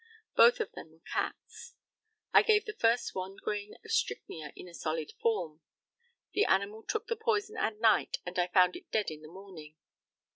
Both of them were cats. I gave the first one grain of strychnia in a solid form. The animal took the poison at night, and I found it dead in the morning.